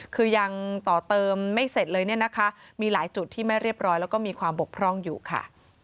คือยังต่อเติมไม่เสร็จเลยเนี่ยนะคะมีหลายจุดที่ไม่เรียบร้อยแล้วก็มีความบกพร่องอยู่ค่ะ